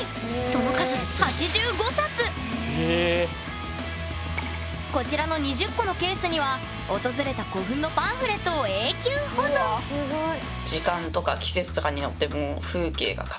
その数こちらの２０個のケースには訪れた古墳のパンフレットを永久保存すごい。